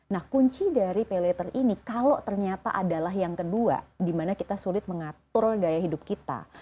nah kunci dari pay later ini kalau ternyata adalah yang kedua dimana kita sulit mengatur gaya hidup kita